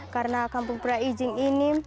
karena kampung prai iji ini